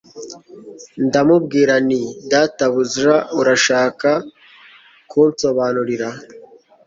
Ndamubwira nti Databuja urashaka kunsobanurira